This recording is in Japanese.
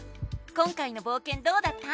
今回のぼうけんどうだった？